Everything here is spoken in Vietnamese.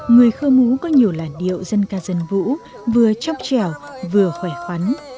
người khơ mú có nhiều làn điệu dân ca dân vũ vừa chóc trèo vừa khỏe khoắn